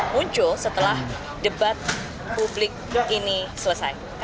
muncul setelah debat publik ini selesai